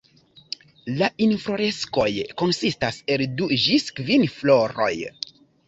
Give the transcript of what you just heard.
La infloreskoj konsistas el du ĝis kvin floroj.